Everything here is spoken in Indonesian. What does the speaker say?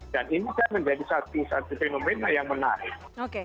dan ini kan menjadi satu satu fenomena yang menarik